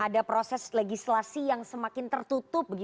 ada proses legislasi yang semakin tertutup